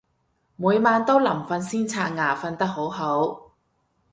每晚都臨瞓先刷牙，瞓得好好